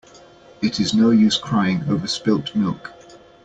It is no use crying over spilt milk.